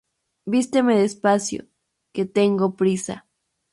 Vísteme despacio, que tengo prisa